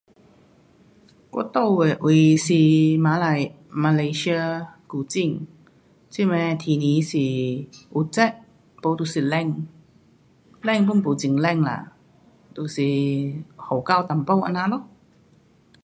我住的位是马来西亚古晋。这边的天气是有热不就是冷。冷 pun 没很冷啦。就是雨到一点这样咯。